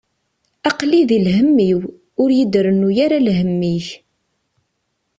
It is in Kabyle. Aql-i di lhemm-iw, ur yi-d-rennu ara lhemm-ik.